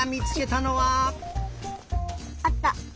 あった！